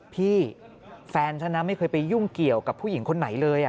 พี่แฟนฉันนะไม่เคยไปยุ่งเกี่ยวกับผู้หญิงคนไหนเลย